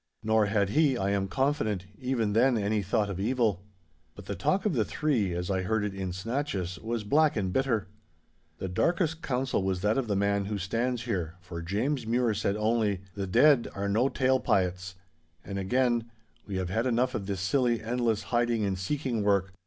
Nor had he, I am confident, even then any thought of evil. 'But the talk of the three, as I heard it in snatches, was black and bitter. 'The darkest counsel was that of the man who stands here, for James Mure said only, "The dead are no tale pyets." And again, "We have had enough of this silly, endless, hiding and seeking work.